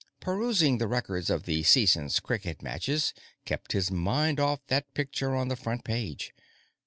Perusing the records of the season's cricket matches kept his mind off that picture on the front page.